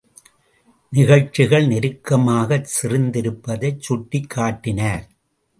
நிகழ்ச்சிகள் நெருக்கமாகச் செறிந்திருப்பதைச் சுட்டிக்காட்டினார்.